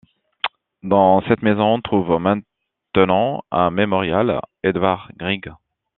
Dans cette maison, on trouve maintenant un Mémorial Edvard Grieg.